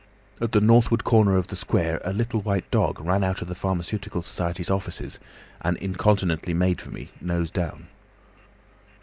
At the northward corner of the Square a little white dog ran out of the Pharmaceutical Society's offices, and incontinently made for me, nose down.